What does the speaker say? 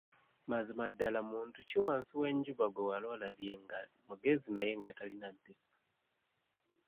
Mazima ddala muntu ki wansi w'enjuba gwe wali olabye nga mugezi naye nga talina mpisa?